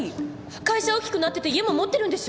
会社大きくなってて家も持ってるんでしょ？